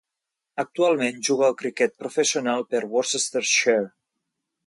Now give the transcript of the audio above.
Actualment juga al criquet professional per Worcestershire.